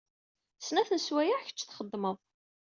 Snat n sswayeɛ kačč txeddmeḍ.